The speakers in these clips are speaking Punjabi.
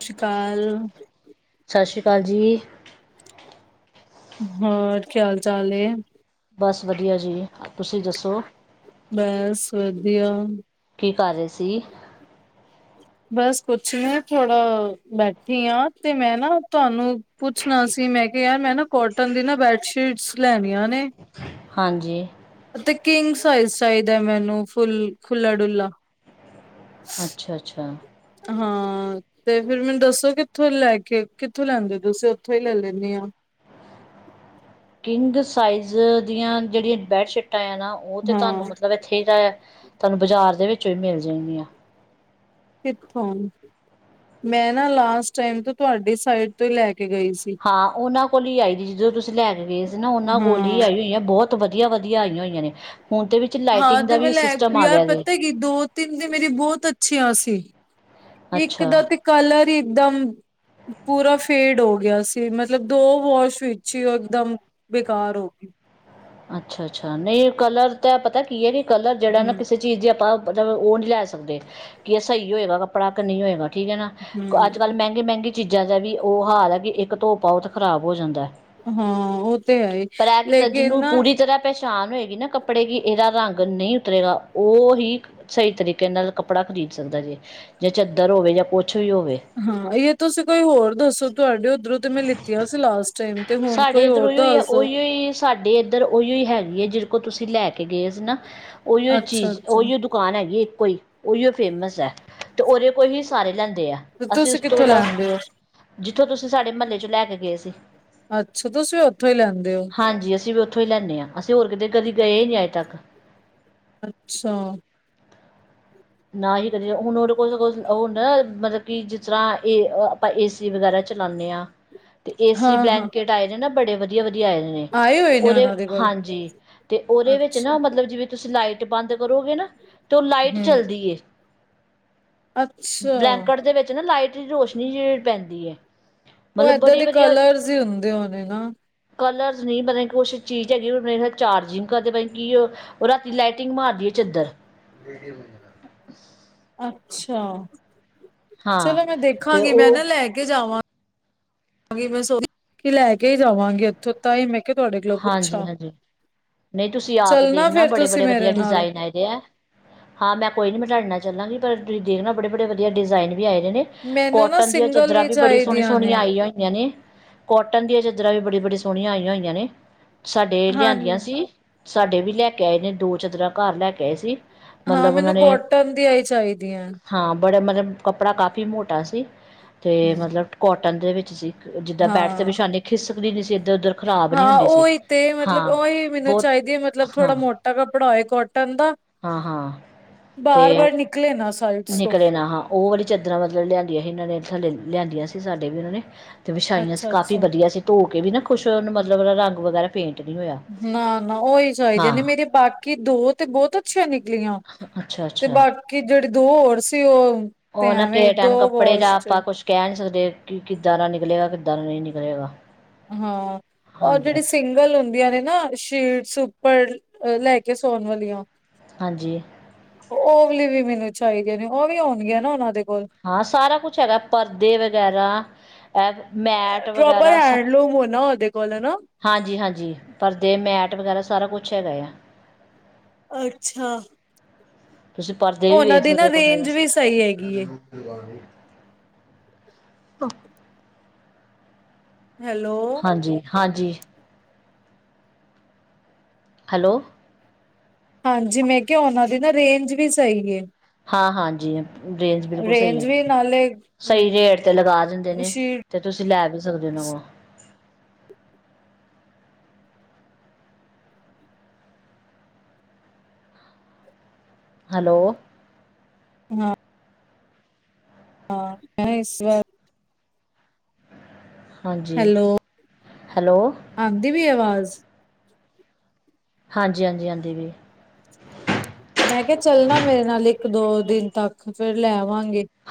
ਸਤਿ ਸ਼੍ਰੀ ਕਾਲ, ਕਾਲ ਜੀ, ਹੋਰ ਕੀ ਹਾਲ ਚਾਲ ਹੈ? ਬਸ ਵਧੀਆ ਜੀ, ਤੁਸੀਂ ਦੱਸੋ? ਬਸ ਵਧੀਆ, ਵੀ ਕਰ ਰਹੇ ਸੀ? ਬਸ ਕੁਛ ਨੀ ਥੋੜਾ ਬੈਠੀ ਹਾਂ ਤੇ ਮੈਂ ਨਾ ਤੁਹਾਨੂੰ ਪੁੱਛਣਾ ਸੀ ਮੈਂ ਕਿਹਾ ਯਾਰ ਮੈਂ ਨਾ ਕੋਟਨ ਦੀ ਨਾ ਬੈਡਸ਼ੀਟਸ ਲੈਣੀਆਂ ਨੇ, ਹਾਂਜੀ ਅਤੇ ਕਿੰਗਸ ਸਾਈਜ਼ ਚਾਹੀਦਾ ਹੈ ਮੈਨੂੰ ਫੁੱਲ ਖੁਲਾ ਡੁਲਾ, ਅੱਛਾ-ਅੱਛਾ, ਹਾਂ ਤੇ ਫਿਰ ਮੈਨੂੰ ਦੱਸੋ ਕਿੱਥੋਂ ਲੈ ਕੇ ਕਿੱਥੋਂ ਲੈਂਦੇ ਤੁਸੀਂ ਉੱਥੋਂ ਹੀ ਲੈ ਲੈਂਲੇ ਆ। ਕਿੰਗ ਸਾਈਜ਼ ਦੀਆਂ ਜਿਹੜੀਆਂ ਬੈਡਸ਼ੀਟ, ਨਾ ਉਹ ਤੇ ਹਾਂ ਤੁਹਾਨੂੰ ਮਤਲਬ ਇੱਥੇ ਹੀ ਤੁਹਾਨੂੰ ਬਾਜ਼ਾਰ ਦੇ ਵਿੱਚ, ਵਿੱਚੋਂ ਮਿਲ ਜਾਣ ਗੀਆਂ। ਕਿਥੋਂ ਮੈਂ ਨਾ ਲਾਸਟ ਟਾਈਮ ਤੋਂ ਤੁਹਾਡੀ ਸਾਈਟ ਤੋਂ ਹੀ ਲੈ ਕੇ, ਗਈ ਸੀ ਹਾਂ ਉਹਨਾਂ ਕੋਲ ਹੀ ਆਈ ਦੀ ਜਦੋਂ ਤੁਸੀਂ ਲੈ ਕੇ ਗਏ ਸੀ ਨਾ ਉਹਨਾਂ ਕੋਲ ਹੀ ਹਾਂ ਆਈ ਹੋਈ ਆ ਬਹੁਤ ਵਧੀਆ ਵਧੀਆ-ਵਧੀਆ ਆਈਆਂ ਹੋਈਆਂ ਨੇ, ਹੁਣ ਤੇ ਵਿੱਚ ਹਾਂ ਲਾਈਟਿੰਗ ਦਾ ਤੇ ਮੈਂ ਵੀ ਲੈ ਸਿਸਟਮ ਕੇ ਆ ਯਾਰ ਗਿਆ ਜੇ ਪਤਾ ਕਿ ਦੋ ਤਿੰਨ ਦੀ ਮੇਰੀ ਬਹੁਤ ਅੱਛੀਆਂ ਸੀ। ਇੱਕ ਦਾ ਅੱਛਾ ਤੇ ਕਲਰ ਹੀ ਇਕਦਮ ਪੂਰਾ ਫੇਡ ਹੋ ਗਿਆ ਸੀ, ਮਤਲਬ ਦੋ ਵਾਸ਼ ਵਿੱਚ ਹੀ ਉਹ ਇਕਦਮ ਬੇਕਾਰ ਹੋ ਗਈ। ਅੱਛਾ-ਅੱਛਾ, ਨਹੀਂ ਕਲਰ ਤਾਂ ਪਤਾ ਕੀ ਹੈ ਕਿ ਕਲਰ ਜਿਹੜਾ ਨਾ ਹੂੰ ਕਿਸੇ ਚੀਜ਼ ਦੀ ਆਪਾਂ ਮਤਲਬ ਉਹ ਨਹੀਂ ਲੈ ਸਕਦੇ ਕਿ ਇਹ ਸਹੀ ਹੋਏਗਾ ਕੱਪੜਾ ਕੇ ਨਹੀਂ ਹੋਏਗਾ। ਠੀਕ ਹੈ ਨਾ ਅੱਜ ਕੱਲ ਹੂੰ ਮਹਿੰਗੇ-ਮਹਿੰਗੇ, ਚੀਜ਼ਾਂ ਦਾ ਵੀ ਉਹ ਹਾਲ ਹੈ ਕਿ ਇੱਕ ਧੋ ਪਾਓ ਖ਼ਰਾਬ ਹੋ ਜਾਂਦਾ। ਹਾਂ ਉਹ ਤੇ ਹੈ ਹੀ ਪਰ ਇਹ ਕਿ ਤਾਂ ਲੇਕਿਨ ਜਿਹਨੂੰ ਪੂਰੀ ਤਰ੍ਹਾਂ ਪ ਪਰ ਸ਼ਾਨ ਹੋਏਗੀ ਨਾ ਕੱਪੜੇ ਕਿ ਇਹਦਾ ਰੰਗ ਨਹੀਂ ਉਤਰੇਗਾ ਉਹ ਹੀ ਸਹੀ ਤਰੀਕੇ ਨਾਲ ਕੱਪੜਾ ਖ਼ਰੀਦ ਸਕਦਾ ਜੇ-ਜੇ ਚਾਦਰ ਹੋਵੇ ਜਾਂ ਕੁਛ ਵੀ ਹੋਵੇ। ਹਾਂ ਇਹ ਤੁਸੀਂ ਕੋਈ ਹੋਰ ਦੱਸੋ ਤੁਹਾਡੇ ਉਧਰੋਂ ਤੇ ਮੈਂ ਲਿੱਤੀਆਂ ਸੀ ਲਾਸਟ ਟਾਈਮ ਤੇ ਹੁਣ ਸਾਡੇ ਕੋਈ ਇੱਧਰ ਹੋਰ ਉਹੀਓ ਹੀ ਹੈ ਦੱਸ ਦੋ ਜਿਹ ਕੋਲ ਤੁਸੀਂ ਲੈ ਕੇ ਗਏ ਸੀ ਨਾ ਉਹੀ ਅੱਛਾ ਚੀਜ਼ ਅੱਛਾ ਉਹੀ ਉਹ ਦੁਕਾਨ ਹੈਗੀ ਕੋਈ ਉਹੀ ਫੇਮਸ ਹੈ ਤੇ ਉਹਦੇ ਕੋਲ ਹੀ ਸਾਰੇ ਲੈਂਦੇ ਆ ਤੇ ਅਸੀਂ ਤੁਸੀ ਉਸ ਤੋਂ ਕਿੱਥੋਂ ਇਲਾਵਾ ਲੈਂਦੇ ਹੋ ਜਿੱਥੋਂ ਤੁਸੀਂ ਸਾਡੇ ਮਹੱਲੇ ਚ ਲੈ ਕੇ ਗਏ ਸੀ ਅੱਛਾ ਤੁਸੀ ਵੀ ਉੱਥੋਂ ਹੀ ਲੈਂਦੇ ਹੋ ਹਾਂਜੀ ਅਸੀਂ ਵੀ ਉੱਥੋਂ ਹੀ ਲੈਂਦੇ ਹਾਂ ਅਸੀਂ ਹੋਰ ਕਿਤੇ ਕਦੀ ਗਏ ਹੀ ਨਹੀਂ ਅੱਜੇ ਤੱਕ ਅੱਛਾ ਨਾ ਹੀ ਕਦੇ ਹੁਣ ਉਹਦੇ ਕੋਲ ਉਹ ਹੁੰਦਾ ਨਾ ਮਤਲਬ ਕਿ ਜਿਸ ਤਰ੍ਹਾਂ ਇਹਏ ਆਪਾਂ ਏਸੀ ਵਗੈਰਾ ਚਲਾਉਂਦੇ ਹਾਂ ਤੇ ਏਸੀ ਹਾਂ ਹਾਂ ਬਲੈਂਕੇਟ ਆਏ ਜਾ ਨਾ ਬੜੇ ਵਧੀਆ ਆਏ ਨੇ ਆਏ ਤੇ ਹੋਏ ਨੇ ਉਹਦੇ ਉਹਨਾਂ ਦੇ ਕੋਲ ਹਾਂਜੀ ਤੇ ਉਹਦੇ ਵਿੱਚ ਅੱਛਾ ਨਾ ਮਤਲਬ ਜਿਵੇਂ ਤੁਸੀਂ ਲਾਈਟ ਬੰਦ ਕਰੋਗੇ ਨਾ ਤ ਲਾਈਟ ਹੂੰ, ਚੱਲਦੀ ਅੱਛਾ ਬਲੈਂਕਟ ਦੇ ਵਿੱਚ ਨਾ ਲਾਈਟ ਰੋਸ਼ਨੀ ਜਿ ਪੈਂਦੀ ਹੈ ਉਹ ਮਤਲਬ ਏਦਾਂ ਬੜੀ ਦੇ ਵਧੀਆ ਕਲਰਸ ਹੀ ਹੁੰਦੇ ਹੋਣੇ ਨਾ ਕਲਰਸ ਨੀ ਮਤਾਬ ਕਿ ਕੁਛ ਚੀਜ਼ ਹੈਗੀ ਚਾਰਜਿੰਗ ਕਰਦੇਤਾਬ ਕੀ ਰਾਤੀ ਲਾਈਟਿੰਗ ਮਾਰਦੀ ਹੈ ਚਾਦਰ [unintelligible] ਅੱਛਾ ਹਾਂ ਚਲੋ ਮੈਂ ਤੇ ਦੇਖਾਂਗੀ ਮੈਂ ਨਾ ਉਹ ਲੈ ਕੇ ਜਾਵਾਂ ਮੈਂ ਸੋ ਕਿ ਲੈ ਕੇ ਜਾਵਾਂਗੀ ਉੱਥੋਂ ਤਾਂ ਹੀ ਮੈਂ ਕਿਹਾ ਤੁਹਾਡੇ ਕੋਲੋਂ ਹਾਂਜੀ ਪੁੱਛਾਂ। ਹਾਂਜੀ ਨਹੀਂ ਤੁਸੀਂ ਆ ਕੇ ਚੱਲਣਾ ਦੇਖਣਾ ਫੇਰ ਬੜੇ ਤੁਸੀਂ ਬੜੇ ਵਧੀਆ ਮੇਰੇ ਨਾਲ ਡਿਜ਼ਾਇਨ ਆਏਦੇ ਹੈ ਹਾਂ ਮੈਂ ਕੋਈ ਨੀ ਬਿਟਡਨਾ ਚਾਹਾਂਗੀ ਪਰ ਤੁਸੀਂ ਦੇਖ ਬੜੇ ਬੜੇ ਵਧੀ ਡਿਜ਼ਾਇਨ ਵੀ ਆਏ ਨੇ ਮੈਨੂੰ ਨਾ ਕੋਟਨ ਦੀਆਂ ਸਿੰਗਲ ਚਾਦਰਰਾਂ ਵੀ ਬੜੀ ਸੋਹੀਆਂ ਚਾਹੀਦੀਆਂ ਸੋਹਣੀਆਂ ਨੇ। ਆਈਆਂ ਹੋਈਆਂ ਨੇ ਕੋਟਨ ਦੀਆਂ ਚ ਜੱਰਾਂ ਵੀ ਬੜ ਬੜੀ ਸੋਹਣੀਆਂਈਆਂ ਹੋਈਆਂ ਨੇ ਸਾਡੇ ਹਾਂ, ਲਿਆਂਦੀਆਂ ਸੀ ਸਾਡੇ ਵੀ ਲੈ ਕੇ ਆਏ ਨੇ ਦੋ ਚਾਦਰਾਂ ਘਰ ਲੈ ਕੇ ਆਏ ਸੀ ਹਾਂ ਮਤਲਬ ਉਹਨਾਂ ਮੈਨੂੰ ਨੇ ਕੋਟਨ ਦੀ ਆਈ ਚਾਹੀਦੀ ਹੈ ਹਾਂ ਬੜਾ ਮਤਲਬ ਕੱਪੜਾ ਕਾਫ਼ੀ ਮੋਟਾ ਸੀ ਤੇ ਹੂੰ, ਮਤਲਬ ਕੋਟਨ ਦੇ ਵਿੱਚ ਜੀ [unintelligible] ਜਿੱਦਾਂ ਬੈਠ ਤੇ ਹਾਂ। ਵਿਸ਼ਾਨੇ ਖਿਸ [unintelligible] ਤੇ ਉੱਧਰ ਖਰਾਬ ਨੀ ਹਾਂ ਹੁੰਦੀ ਸੀ। ਉਹੀ ਤੇ ਹਾਂ ਮਤਲਬ ਉਹੀ ਮੈਨੂੰ ਬਹੁਤ ਚਾਹੀਦੀ ਹੈ ਮਤਲਬ ਥੋੜਾ ਮੋਟਾ ਕੱਪੜਾ ਹੋਏ ਕੋਟ ਹਾਂ ਹਾਂ ਤੇ ਬਾਰ-ਬਾਰ ਨਿਕਲੇ ਨਾ ਸਾਈਡਸ ਤੋਂ ਨਿਕਲੇ ਨਾ ਹਾਂ ਉਹ ਵਾਲੀ ਚਦਰਾਂ ਮਤਲਬ ਲਿਆਂਦੀਆਂ ਸੀ ਇਹਨਾਂ ਨੇ ਥੱਲੇ ਲਿਆਂਦੀਆਂ ਸੀਂ ਸਾਡੇ ਵੀ ਉਹਨਾਂ ਨੇ। ਵਿਛਾਈਆਂ ਸੀ ਕਾਫੀ ਅੱਛਾ-ਅੱਛਾ। ਵਧੀਆ ਸੀਂ ਧੋ ਵੀ ਨਾ ਕੁਛ ਉਹਨ ਮਤਲਬ ਰਗ ਵਗੈਰਾ ਪੇਂਟ ਨਹੀਂ ਹੋਇਆ। ਨਾਨਾ ਉਹੀ ਚਾਹੀ ਦੀਆਂ ਨੇ ਹਾਂ ਮੇਰੇ ਬਾਕੀ ਦੋ ਤੇ ਬਹੁਤ [unintelligible] ਲੀਆਂ ਤੇ ਅੱਛਾ-ਅੱਛਾ ਬਾਕੀ ਜਿਹੜੇ ਦੋ ਹੋਰ ਸੀ ਉਹ ਤੇ ਉਹ ਨਾ ਐਵੇਂ ਦੋ ਵਾਸ਼ ਚ ਤੇ ਕੀ ਕਿੱਦਾਂ ਦਾ ਨਿਕਲੇਗਾ ਕਿੱਦਾਂ ਦਾ ਨਹੀਂ ਨਿਕਲੇਗਾ। ਹਾਂ ਔਰ ਜਿਹੜੀ ਹਾਂਜੀ-ਹਾਂਜੀ ਸਿੰਗਲ ਹੁੰਦੀਆਂ ਨੇ ਨਾ ਸ਼ੀਟਸ ਪਰ ਲੈ ਕੇ ਸੋਣ ਵਾਲੀਆਂ। ਓਵਲੀ ਵੀ ਮੈਨੂੰ ਚਾਹੀਦੀਆ ਨੇ ਉਹ ਵੀ ਹੋਣਗੀਆਂ ਨਾ ਉਹਨਾਂ ਦੇ ਕੋਲ। ਹਾਂ ਸਾਰਾ ਕੁਛ ਹੈਗਾ ਪਰਦੇ ਵਗੈਰਾ ਇਹ ਮੈਟ ਪ੍ਰੋਪਰ ਵਗੈਰਾ ਸ ਹੈਂਡਲੂਮ ਹੋਣਾ ਉਹਦੇ ਕੋਲ ਹਨਾ। ਹਾਂਜੀ ਹਾਂਜੀ ਪਰਦੇ ਮੈਟ ਵਗੈਰਾ ਸਾਰਾ ਕੁਛ ਪੁੱਛਿਆ ਗਾਇਆ। ਅੱਛਾ। ਤੁਸੀਂ ਪਰਦੇ ਵੀ ਉਹਨਾਂ ਵੇਖ ਦੀ ਸਕਦੇ ਨਾ ਹੋ ਕਮਰੇ ਰੇਂਜ ਵਾਸ ਵੀ ਸਹੀ ਹੈਗੀ ਏ। [unintelligible] ਹੈਲੋ। ਹਾਂਜੀ ਹਾਂਜੀ। ਹੈਲੋ। ਹਾਂਜੀ ਮੈਂ ਕਿਹਾ ਉਹਨਾਂ ਦੀ ਨਾ ਰੇਂਜ ਵੀ ਸਹੀ ਏ। ਹਾਂ ਹਾਂਜੀ ਰੇਂਜ ਬਿਲਕੁਲ ਸਹੀ ਰੇਂਜ ਉਹਨਾਂ ਵੀ ਦੀ ਨਾਲੇ ਸਹੀ ਰੇਟ ਤੇ ਲਗਾ ਦਿੰਦੇ ਨੇ ਸ਼ੀਟ ਤੇ ਤੁਸੀਂ ਲੈ ਵੀ ਸਕਦੇ ਨਵਾਂ। ਹੈਲੋ। ਹਮ। ਹਾਂ ਮੈਂ ਇਸ ਵਾਰ ਹਾਂਜੀ ਹੈਲੋ ਹੈਲੋ ਆਉਂਦੀ ਵੀ ਆਵਾਜ਼ [unintelligible] ਹਾਂਜੀ ਹਾਂਜੀ ਆਉਂਦੀ ਪਈ ਹ। ਮੈਂ ਕਿਹਾ ਚੱਲਣਾ ਮੇਰੇ ਨਾਲ ਇੱਕ ਦੋ ਦਿਨ ਤੱਕ ਫੇਰ ਲੈਵਾਂ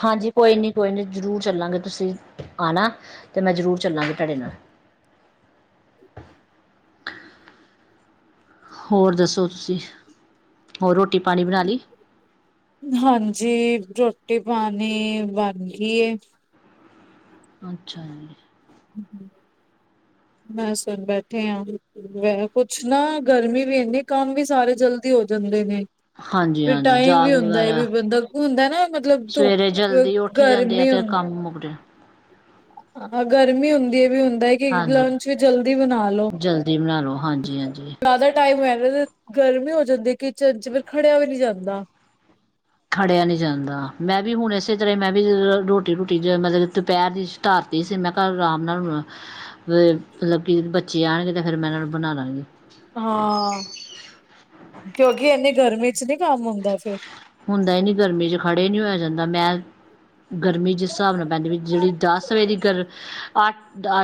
ਹਾਂਜੀ। ਕੋਈ ਨਹੀਂ, ਕੋਈ ਨਹੀਂ। ਜ਼ਰੂਰ ਚੱਲਾਂਗੇ ਤੁਸੀਂ ਆਉਣਾ ਅਤੇ ਮੈਂ ਜ਼ਰੂਰ ਚਲਾਂਗੀ ਤੁਹਾਡੇ ਨਾਲ। ਹੋਰ ਦੱਸੋ ਤੁਸੀਂ ਹੋਰ ਰੋਟੀ? ਪਾਣੀ ਬਣਾ ਲਈ ਹਾਂਜੀ। ਰੋਟੀ ਪਾਣੀ ਬਣ ਗਈ। ਅੱਛਾ ਮੈਂ ਸੁਣ ਬੈਠੇ ਹਾਂ ਕੁੱਛ ਨਾ ਗਰਮੀ ਵੀ ਇਨੀ ਕੰਮ ਵੀ ਸਾਰੇ ਜਲਦੀ ਹੋ ਜਾਂਦੇ ਨੇ। ਹਾਂਜੀ ਵੀ ਹਾਂਜੀ ਟਾਈਮ ਵੀ ਜਾਗ ਹੁੰਦਾ ਹੈ। ਵਗੈਰਾ ਵੀ ਬੰਦਾ ਹੁੰਦਾ ਨਾ ਮਤਲਬ ਸਵੇਰੇ ਧੁੱਪ ਜਲਦੀ ਉੱਠ ਜਾਂਦੇ ਆ ਤੇ ਕੰਮ ਮੁੱਕਦੇ ਹਾਂ- ਗਰਮੀ ਹੁੰਦੀ ਹੈ ਵੀ ਹੁਣ । ਕਿ ਹਾਂਜੀ ਲੰਚ ਵੀ ਜਲਦੀ ਬਣਾ ਲਓ ਜਲਦੀ ਬਣਾ ਲੋ ਹਾਂਜੀ ਹਾਂਜੀ ਜ਼ਿਆਦਾ ਟਾਈਮ ਹੋ ਜਾਂਦਾ । ਗਰਮੀ ਹੋ ਜਾਂਦੀ ਕਿਚਨ ਚ ਫਿਰ ਖੜਿਆ ਵੀ ਨਹੀਂ ਜਾਂਦਾ। ਖੜਿਆ ਨੀ ਜਾਂਦਾ ਮੈਂ ਵੀ ਹੁਣ ਇਸੇ ਤਰ੍ਹਾਂ ਮੈਂ ਵੀ ਰੋਟੀ ਰੂਟੀ ਮਤਲਬ ਦੁਪਹਿਰ ਦੀ ਰਾਤ ਸੀ ਮੈਂ ਘਰ ਆਰਾਮ ਨਾਲ ਮਤਲਬ -ਕਿ ਬੱਚੇ ਆਉਣਗੇ ਤੇ ਫਿਰ ਮੈਂ ਇਹਨਾਂ ਨੂੰ ਬਣਾ ਦਿਆਂਗੀ। ਹਾਂ ਕਿਉਂਕਿ ਇਨੀ ਗਰਮੀ ਚ ਨੀ ਕੰਮ ਹੁੰਦਾ ਫਿਰ । ਹੁੰਦਾ ਹੀ ਨ ਗਰਮੀ ਚ ਖੜੇ ਨੀ ਹੋਇਆ ਜਾਂਦਾ ਮੈਂ ਗਰਮੀ ਜਿਸ ਹਿਸਾਬ ਨਾਲ ਪੈਂਦੀ ਵੀ ਜਿੜੀ ਦਸ ਵਜੇ ਦੀ ਗਰ ਅੱਠ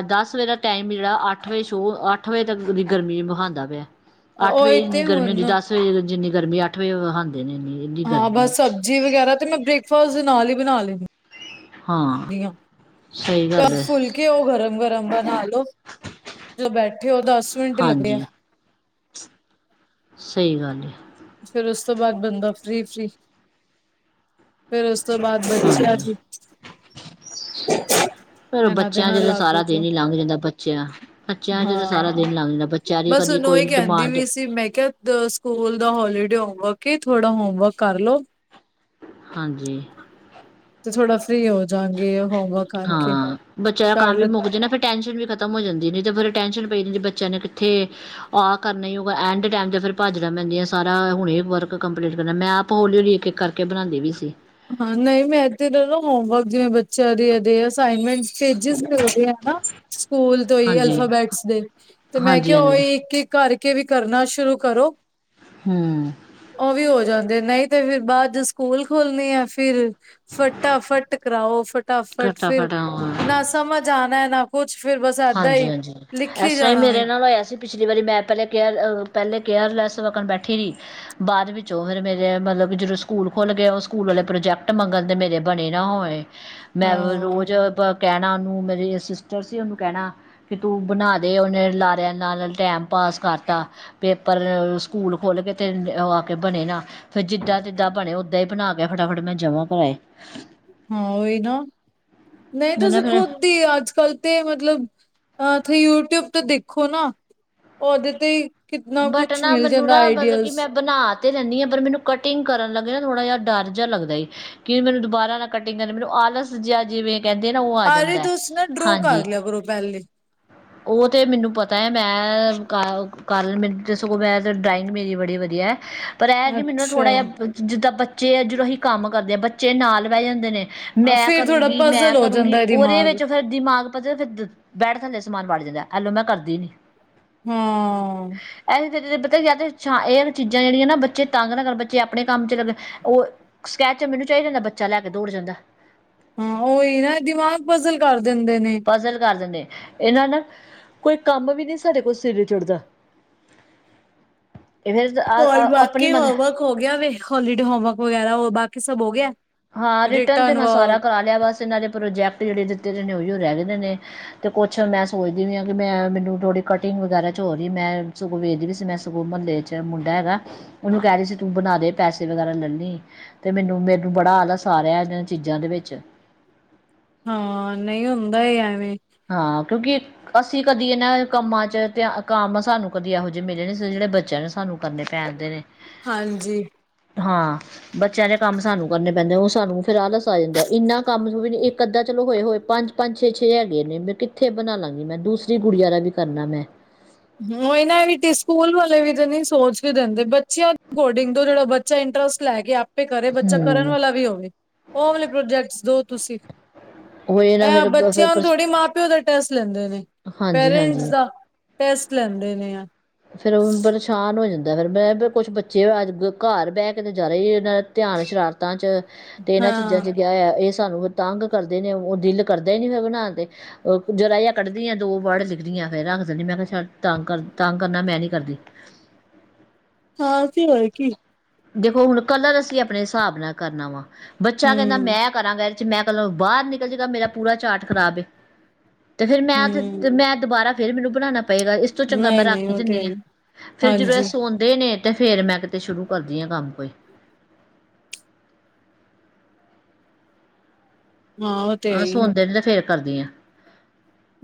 ਦਸ ਵਜੇ ਦਾ ਟਾਈਮ ਜਿਹੜਾ ਅੱਠ ਵਜੇ ਸ਼ੋਅ ਅੱਠ ਵਜੇ ਦੀ ਗਰਮੀ ਵਿਖਾਉਂਦਾ ਪਿਆ । ਅੱਠ ਵਜੇ ਉਹੀ ਇਨੀ ਤੇ ਗਰਮੀ ਹੁਣ ਹੁੰਦੀ ਦਸ ਵਜੇ ਜਿੰਨੀ । ਗਰਮੀ ਅੱਠ ਵਜੇ ਵਿਖਾਉਂਦੇ ਨੇ ਇਨੀ । ਹਾਂ ਬਸ ਸਬਜ਼ੀ ਵਗੈਰਾ ਤੇ ਮੈਂ ਬ੍ਰੇਕਫਾਸਟ ਦੇ ਨਾਲ ਹੀ। ਬਣਾ ਲਈ ਹਾਂ ਦੀਆਂ ਸਹੀ ਗੱਲ ਤਦ ਹੈ ਫੁੱਲਕੇ ਉਹ ਗਰਮ, ਗਰਮ । [unintelligible] ਜਦੋਂ ਬੈਠੇ ਹੋ ਦਸ ਮਿੰਟ ਲੱਗੇ ਆ ਹਾਂਜੀ ਸਹੀ ਗੱਲ ਹੈ ਫੇਿਰ ਉਸ ਤੋਂ ਬਾਅਦ ਬੰਦਾ ਫ੍ਰਰੀ, ਫ੍ਰਰੀ ਫਿਰ ਉਸ ਉਸ ਤੋਂ ਬਾਅਦ ਬੱਚਿਆ ਚ ਫਿਰ ਬੱਚਿਆਂ ਚ ਤਾਂ ਲੱਗ ਸਾਰਾ ਜੋ ਦਿਨ ਹੀ ਲੰਘ ਜਾਂਦਾ ਬੱਚਿਆਂ ਬੱਚਿਆਂ ਚ ਤਾਂ ਸਾਰਾ ਹਾਂ। ਦਿਨ ਹੀ ਲੰਘ ਜਾਂਦਾ ਬੱਚਿਆਂ ਦੀ ਬਸ ਕਦੀ ਹੁਣ ਕੋਈ ਉਹੀ ਕਹਿੰਦੀ ਡਿਮਾਂਡ । ਵੀ ਸੀ ਵਰਕਿਤ ਥੋੜਾ ਹੋਮਵਰਕ ਕਰਲ ਲੋ ਹਾਂਜੀ। ਤੇ ਥੋੜਾ। ਫ੍ਰਰੀ ਹੋ ਜਾਗੇ ਹੋਮਵਰਕ ਕਰਕੇ ਹਾਂ ਬੱਚਿਆਂ ਦਾ ਕੰਮ ਵੀ ਕਰ ਮੁੱਕ ਜੇ ਨਾ ਫੇਿਰ ਟੈਸ਼ਨ ਵੀ ਖ਼ਤਮ ਹੋ ਜਾਂਦੀ ਨਹੀਂ ਤੇ ਫਿਰ ਟੈਸ਼ਨ ਭੈਣ ਜੀ ਬੱਚਿਆਂ ਨੇ ਕਿੱਥੇ ਆਹ ਕਰਨਾ ਹੀ ਹੋਊਗਾ ਐਂਡ ਟਾਈਮ ਤੇ ਫਿਰ ਭਾਜੜਾ ਪੈਂਦੀਆਂ ਸਾਰਾ ਹੁਣ ਵਰਕ ਕੰਪਲੀਟ ਕਰਨਾ ਮੈਂ ਆਪ ਹੌਲੀ ਹੌਲੀ ਇੱਕ ਇੱਕ ਕਰਕੇ ਬਣਾਉਂਦੀ ਪਈ ਸੀ । ਹਾਂ ਨਹੀਂ ਮੈਂ ਤੇ ਜਦੋਂ ਹੋਮਵਰਕ ਜਿਵੇਂ ਬੱਚਿਆਂ ਦੀ ਇਹ ਅਸਾਈਨਮੈਂਟ ਪੇਜਿਸ ਹੁੰਦੇ ਹੈ ਨਾ । ਸਕੂਲ ਤੋਂ ਹੀ ਹਾਂਜੀ ਅਲਫਾਬੈਟਸ ਦੇ ਤੇ ਮੈਂ ਹਾਂਜੀ ਕਿਹਾ ਹਾਂਜੀ ਉਹੀ ਇੱਕ ਕਰਕੇ ਵੀ ਕਰਨਾ ਸ਼ੁਰੂ ਕਰੋ। ਹਮ ਉਹ ਵੀ ਹੋ ਜਾਂਦਾ ਦੇ ਨਹੀਂ ਤੇ ਫਿਰ ਬਾਅਦ ਸਕੂਲ ਖੋਲਣੀ ਆ ਫੇਿਰ ਫਟਾਫਟ ਕਰਾਓ ਫਟਾਫਟ ਘਟਾ ਫਿਰ ਨਾ ਸਮਝ ਆਉਣਾ ਨਾ ਕੁਛ ਫਿਰ ਬਸ ਏਦਾਂ ਹਾਂਜੀ ਹੀ ਹਾਂਜੀ ਲਿਖੀ ਇਸ ਤਰ੍ਹਾਂ ਹੀ ਜਾਣਾ ਮੇਰੇ ਵੇ ਨਾਲ ਹੋਇਆ ਸੀ ਪਿਛਲੀ ਵਾਰੀ ਮੈਂ ਪਹਿਲੇ ਕਿਹਾ ਪਹਿਲੇ ਕੇਅਰਲੈਸ ਵਣ ਬੈਠੀ ਰ ਬਾਅਦ ਵਿੱਚੋਂ ਫਿਰ ਮੇਰੇ ਮਤਲਬ ਕਿ ਜਦੋਂ ਸਕੂਲ ਖੁਲ੍ਹ ਗਏ ਉਹ ਸਕੂਲ ਵਾਲੇ ਪ੍ਰੋਜੈਕਟ ਮੰਗਣ ਤਾਂ ਮੇਰੇ ਬਣੇ ਨਾ ਹੋਏ ਮੈਂ ਹਾਂ ਰੋਜ਼ ਕਹਿਣਾ ਉਹਨੂੰ ਮੇਰੇ ਸਿਸਟਰ ਸੀ ਉਹਨੂੰ ਕਹਿਣਾ ਕਿ ਤੂੰ ਬਣਾ ਦੇ ਉਹਨੇ ਲਾਰਿਆਂ ਨਾਲ ਟੈਮ ਪਾਸ ਕਰਤਾ ਪੇਪਰ ਸਕੂਲ ਖੋਲ ਕੇ ਤੇ ਆ ਕੇ ਬਣੇ ਨਾ ਫੇਿਰ ਜਿਦਾਂ ਜਿੱਦਾਂ ਬਣੇ ਓਦਾਂ ਹੀ ਬਣਾ ਕੇ ਫਟਾਫਟ ਮੈਂ ਜਮ੍ਹਾਂ ਕਰਵਾਏ ਹਾਂ ਹੀ ਨਾ ਨਹੀਂ ਤੁਸੀਂ ਕਰਾਏ। ਖੁਦ ਹੀ ਅੱਜ ਕੱਲ੍ਹ ਤੇ ਮਤਲਬ ਅ ਤੁਸੀ ਯੂਟਿਊਬ ਤੇ ਦੇਖੋ ਨਾ ਉਹਦੇ ਤੇ ਕਿਦਨਾ ਕੁਛ ਮਿਲ ਜਾਂਦਾ ਆਈਡੀਆਜ਼ ਰਹਿੰਦੀ ਹਾਂ ਪਰ ਮੈਨੂੰ ਕਟਿੰਗ ਕਰਨ ਲੱਗੇ ਨਾ ਥੋੜ੍ਹਾ ਜਿਹਾ ਡਰ ਜਿਹਾੱਦਾਏਉਵੇਂ ਮਨੂੰੁਾਰਾ ਨਾਲ ਕਟਿੰ ਕਰਨ ਮੈਨੂੰ ਆਲਸ ਜਹਾ ਜਿਵੇਂ ਕਹਿੰਦੇ ਨਾ ਉਹ ਆ ਅਰੇ ਜਾਂਦਾ ਤੁਸੀਂ ਨਾ ਡਰੋ ਹਾਂਜੀ ਕਰ ਲਿਆ ਪਰੋ ਪਹਿਲੇ ਉਹ ਤੇ ਮੈਨੂੰ ਪਤਾ ਤਾਂ ਹੈ ਮੈਂ ਕਾ ਕਾਰਨ ਮੈਨੂੰ ਸਗੋਂ ਮੈਂ ਤਾਂ ਡਰਾਇੰਗ ਮੇਰੀ ਬੜੀ ਵਧੀਆ ਹੈ ਪਰ ਇਹ ਕਿ ਮੈਨੂੰ ਅੱਛਾ, ਥੋੜ੍ਹਾ ਜਿਹਾ ਜਿੱਦਾਂ ਬੱਚ ਬੱਚੇ ਅੱਜਰੋਂਹੀ ਕੰਮ ਕਰਦੇ ਆ ਬੱਚੇ ਨਾਲ ਬਹਿ ਜਾਂਦੇ ਨੇ ਮੈਂ ਫੇਰ ਥੋੜਾ ਕਰੂੰਗੀ ਮੈਂ ਪਜ਼ਲ ਹੋ ਕਰੂੰਗੀ ਜਾਂਦਾ ਹੈ ਉਹਦੇ ਦਿਮਾਗ। ਵਿੱਚ ਫਿਰ ਦਿਮਾਗ ਪ ਫਦ ਬੈਠ ਜਾਂਦੇ ਸਮਾਨ ਵੜ ਜਾਂਦਾ ਐਲੋ ਮੈਂ ਕਰਦੀ ਨੀ ਹਾਂ ਤੇ ਪਤਾ ਇਹ ਚੀਜ਼ਾਂ ਜਿਹੜੀਆਂ ਨਾ ਬੱਚੇ ਤੰਗ ਨਾ ਕਰ ਬੱਚੇ ਆਪਣੇ ਕੰਮ ਚ ਲੱ ਉਹ ਸਕੈਚ ਮੈਨੂੰ ਚਾਹੀ ਜਾਂਦਾ ਬੱਚਾ ਲੈ ਕੇ ਦੌੜ ਜਾਂਦਾ ਹਾਂ ਉਹੀ ਨਾ ਦਿਮਾਗ ਫਸਲ ਕਰ ਦਿੰਦੇ ਨੇ। ਫਜ਼ਲ ਕਰ ਦਿੰਦੇ ਇਹਨਾਂ ਨਾ ਕੋਈ ਕੰਮ ਵੀ ਨਹੀਂੀ ਸਾਡੇ ਕੋਲ ਸਵੇਰੇ ਚੁੜਦਾ ਹੋਰ ਬਾਕੀ ਹੋਮਵਰਕ ਹੋ ਗਿਆ ਵ ਹੋਲੀਡੇ ਹੋਮਵਰਕ ਵਗੈਰਾ ਹੋ ਬਾਕੀ ਕਿ ਸਭ ਹੋ ਗਿਆ ਹਾਂ ਰਿਟਰਨ ਤੇ ਮੈਂ ਸਾਰਾ ਕਰਾ ਲਿਆ ਬਸ ਇਹਨਾਂ ਦੇ ਪ੍ਰੋਜੈਕਟ ਜਿਹੜੇ ਦਿੱਤੇ ਨੇ ਉਹੀ ਰਹਿ ਗਦੇ ਨੇ ਤੇ ਕੁੱਛ ਮੈਂ ਸੋਚਦੀ ਵੀ ਆਾਂ ਕਿ ਮੈਂ ਮੈਨੂੰ ਥੋੜ੍ਹੀ ਕਟਿੰਗ ਵਗੈਰਾ ਚ ਹੋ ਰਹੀ ਮੈਂ ਸਗੋਂ ਵੇਖਦੀ ਵੀ ਸੀ ਮੈਂ ਸਗੋਂ ਮਹੱਲੇ ਚ ਮੁੰਡਾ ਹੈਗਾ ਉਹਨੂੰ ਕਹਿ ਰਹੀ ਸੀ ਤੂੰ ਬਣਾ ਦੇ ਪੈਸੇ ਵਗੈਰਾ ਲੈਣੀ ਤੇ ਮੈਨੂੰ ਮੇਰੇ ਨੂੰ ਬੜਾ ਆਦਾ ਸਾਰਹਾ ਇਹਨਾਂ ਚੀਜ਼ਾਂ ਦੇ ਵਿੱਚ ਹਾਂ ਨਹੀਂ ਹੁੰਦਾ ਐਵੇਂ ਹਾਂ ਕਿਉਂਕਿ ਅਸੀਂ ਕਦੀ ਇਹਨਾਂ ਕੰਮਾਂ ਚ ਕੰਮ ਸਾਨੂੰ ਕਦੀ ਇਹੋ ਜਿਹੇ ਮਿਲੇ ਨ ਜਿਹੜੇ ਬੱਚਿਆਂ ਨੇ ਸਾਨੂੰ ਕਰਨੇ ਪੈਣਦੇ ਨੇ ਹਾਂਜੀ। ਹਾਂ ਬੱਚਿਆਂ ਦੇ ਕੰਮ ਸਾਨੂੰ ਕਰਨੇ ਪੈਂਦੇ ਉਹ ਸਾਨੂੰ ਫਿਰਹ ਲਸ ਆ ਜਾਂਦਾ ਇੰਨਾ ਕੰਮ ਵੀ ਨੀ ਇੱਕ ਅੱਧਾ ਚਲੋ ਹੋਏ ਹੋਏ ਪੰਜ ਪੰਜ ਛੇ ਨੇ ਮੈਂ ਕਿੱਥੇ ਬਣਾ ਲਾਂਗੀ ਮੈਂ ਦੂਸਰੀ ਕੁੜੀੀਆਂ ਦਾ ਵੀ ਕਰਨਾ ਮੈਂ ਹ ਇਹਨਾਂ ਵੀ ਸਕੂਲ ਵਾਲੇ ਵੀ ਤਾਂ ਨਹੀਂੀ ਸੋਚ ਕੇ ਦਿੰਦੇ ਬੱਚਿਆਂ ਅਕੋਰਡਿੰਗ ਟੂ ਜਿਹੜਾ ਬੱਚਾ ਇੰਟਰਸਟ ਲੈ ਕੇ [unintelligible] ਕਰੇ ਬੱਚਾ ਕਰਨ ਹੂੰ ਵਾਲਾ ਵੀ ਹੋਵੇ ਉਹ ਵਾਲੇ ਪ੍ਰੋਜੈਕਟ ਦੋ ਤੁਸੀਂ ਉਹੀ ਨਾ ਐਂ ਫਿਰ ਬੱਚਿਆਂ ਹੁਣ ਫਿਰ ਥੋੜ੍ਹੀ ਮਾਂ ਪਿਓ ਦਾ ਪੈਸ ਲੈਂਦੇ ਹਾਂਜੀ ਪੇਰੈਂਟਸ ਹਾਂਜੀ ਦਾ ਟੈਸਟ ਲੈਂਦੇ ਨੇ ਆ ਫੇਰ ਉਹ ਪਰੇਸ਼ਾਨ ਹੋ ਜਾਂਦਾ ਫਿਰ ਮੈਂ ਕੁਛ ਬੱਚੇ ਅੱ ਘਰ ਬਹਿ ਕੇ ਜਾ ਰਹੇ ਇਹਨਾਂ ਧਿਆਨ ਸ਼ਰਾਰਤਾਂ ਚ ਤੇ ਇਹਨਾਂ ਚੀਜ਼ਾਂ ਹਾਂ। ਚ ਗਿਆ ਇਸ ਸਾਨੂੰ ਤੰਗ ਕਰਦੇ ਨੇ ਉਹ ਦਿਲ ਕਰਦਾ ਹੀ ਨੀ ਹੈਣਾ ਤੇ ਜਰਾਈਆਂ ਕੱਢਦੀਆਂ ਦੋ ਵਰਡ ਲਿਖਦੀਆਂ ਫੇਿਰ ਆਖ ਦਿੰਦੀ ਮੈਂ ਕਿਹਾ ਤੰਗ ਕਰ ਤਾਂ ਕਰਨਾ ਮੈਂ ਨੀ ਕਰਦੀ ਹਾਂ ਤੇ ਹੋ ਕੀ ਦੇਖੋ ਹੁਣ ਕਲਰ ਅਸੀਂ ਆਪਣੇ ਹਿਸਾਬ ਨਾਲ ਕਰਨਾ ਵਾ ਬੱਚਾ ਕਹਿੰਦਾ ਹੂੰ ਮੈਂ ਕਰਾਂਗਾ ਮੈਂ ਘਰੌ ਬਾਹਰ ਨਿਕਲ ਜਗਾ ਮੇਰਾ ਪੂਰਾ ਚਾਟ ਖਰਾਬ ਤੇ ਫੇਿਰ ਮੈਂ ਹੂੰ ਮੈਂ ਦੁਬਾਰਾ ਫਿਰ ਮੈਨੂੰ ਬਉਣਾ ਪਏਗਾ ਇਸ ਤੋਂ ਚੰਗਾ ਨਹੀਂ ਮੈਂ ਨਹੀਂ ਰੱਖ ਉਹ ਤੇ ਦਦੀ ਹੈ ਹਾਂ ਹੀ ਫੇਰ ਜਦੋਂ ਇਹ ਹਾਂਜੀ। ਸੌਦੇ ਨੇ ਤੇ ਫੇਰ ਮੈਂ ਕਿਤੇ ਸ਼ੁਰੂ ਕਰਦੀਆਂ ਕੰਮ ਕੋਈ ਹਾਂ ਉਹ ਤੇਈ ਕਰਦੀਆਂ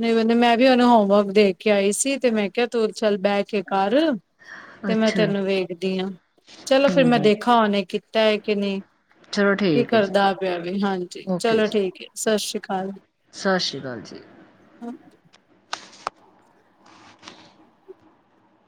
ਨਹੀਂ ਬਦੇ ਮੈਂ ਵੀ ਉਹਨੂੰ ਹੋਮਵਰਕ ਦੇ ਕੇ ਆਈ ਸੀ ਤੇ ਮੈਂ ਕਿਹਾ ਤੂੰ ਚੱਲ ਬਹਿ ਕੇ ਕਰ ਤੇ ਮੈਂ ਅੱਛਾ ਤੈਨੂੰ ਵੇਖਦੀ ਹਾਂ ਚਲੋ ਫੇਿਰ ਮੈਂ ਹਮ ਦੇਖਾ ਉਹਨੇ ਕਿ [unintelligible] ਚਲੋ ਕੀ ਠੀਕ ਹੈ ਜੀ ਕਰਦਾ ਪਿਆ ਵੀ ਹਾਂਜੀ ਓਕੇ ਚਲੋ ਜੀ ਠੀਕ ਹੈ ਸਤਿ ਸ਼੍ਰੀ ਅਕਾਲ [inaudible] ਸਤਿ ਸ਼੍ਰੀ ਅਕਾਲ ਜੀ [inaudible]